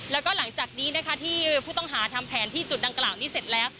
แล้วก็หลังจากนี้นะคะที่ผู้ต้องหาทำแผนที่จุดดังกล่าวนี้เสร็จแล้ว